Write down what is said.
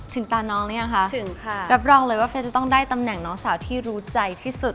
ถึงตาน้องแล้วอย่างคะรับรองเลยว่าเฟย์จะต้องได้ตำแหน่งน้องสาวที่รู้ใจที่สุด